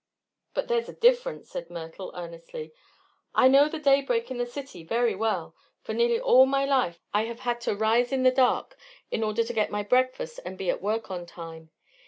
"But there's a difference," said Myrtle, earnestly. "I know the daybreak in the city very well, for nearly all my life I have had to rise in the dark in order to get my breakfast and be at work on time.